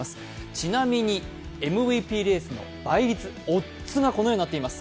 ちなみに、ＭＶＰレースの倍率、オッズがこのようになっています